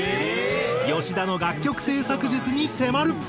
吉田の楽曲制作術に迫る。